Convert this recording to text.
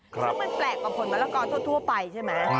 ซึ่งมันแปลกกว่าผลมะละกอทั่วไปใช่ไหม